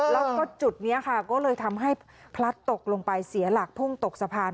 แล้วก็จุดนี้ค่ะก็เลยทำให้พลัดตกลงไปเสียหลักพุ่งตกสะพาน